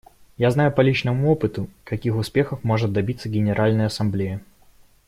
Я знаю по личному опыту, каких успехов может добиться Генеральная Ассамблея.